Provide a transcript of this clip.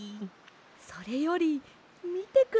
それよりみてください。